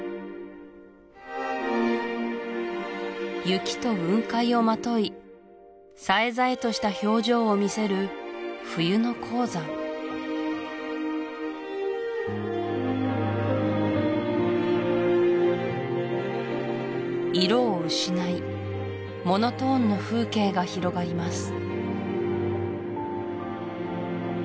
雪と雲海をまといさえざえとした表情を見せる冬の黄山色を失いモノトーンの風景が広がります